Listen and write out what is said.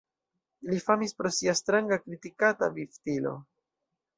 Li famis pro sia stranga -kritikata- vivstilo.